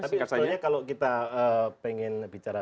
tapi sebenarnya kalau kita ingin lebih jauh